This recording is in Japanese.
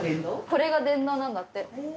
これが電動なんだって。